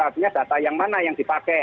artinya data yang mana yang dipakai